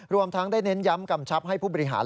รวมทั้งได้เน้นย้ำกำชับให้ผู้บริหาร